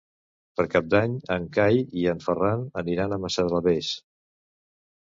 Per Cap d'Any en Cai i en Ferran aniran a Massalavés.